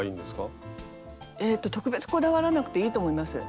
えっと特別こだわらなくていいと思います。